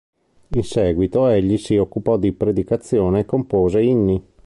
In seguito, egli si occupò di predicazione e compose inni.